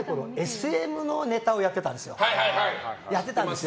ＳＭのネタをやってたんです。